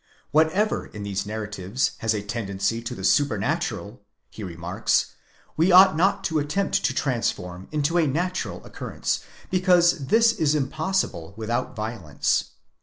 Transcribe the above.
Whatever in these narratives has a tendency to the supernatural, he remarks,® we ought not to attempt to transform into a natural occurrence, because .this is impossible without violence.